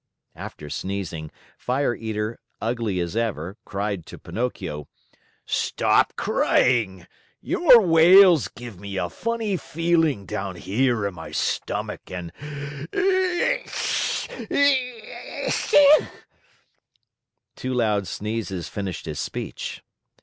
After sneezing, Fire Eater, ugly as ever, cried to Pinocchio: "Stop crying! Your wails give me a funny feeling down here in my stomach and E tchee! E tchee!" Two loud sneezes finished his speech.